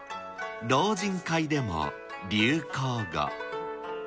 老人会でも流行語。